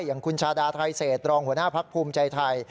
อย่างคุณชาดาไทเซดลองดิ์หัวหน้าภักดิ์โภกภูมิใจไทย